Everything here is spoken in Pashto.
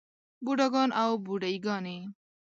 بوډاګان او بوډے ګانے